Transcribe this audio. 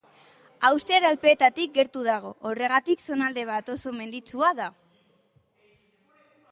Austriar alpeetatik gertu dago, horregatik zonalde bat oso menditsua da.